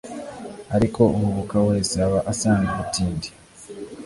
ariko uhubuka wese aba asanga ubutindi